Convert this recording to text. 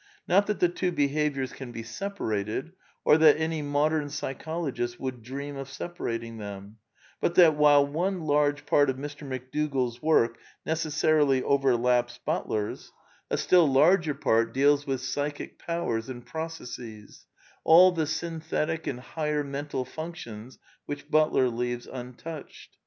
Not that the two'BeE'aviours can be sej^faterd^'br that any modem psychologist would dream of separating them, but that, while one large part of Mr. McDougall's work necessarily overlaps Butler's, a still 14: A DEFENCE OF IDEALISM larger part deals with psychic powers and processes, all the synthetic and higher mental functions which Butler leaves untouched.